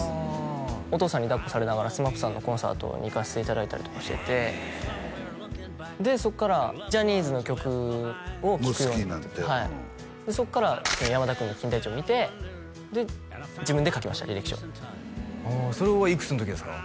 お父さんにだっこされながらＳＭＡＰさんのコンサートに行かせていただいたりとかしててでそっからジャニーズの曲を聴くようになってそっから山田君の「金田一」を見てで自分で書きました履歴書ああそれはいくつの時ですか？